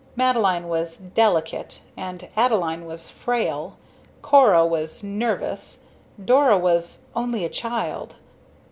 Madeline was "delicate," and Adeline was "frail"; Cora was "nervous," Dora was "only a child."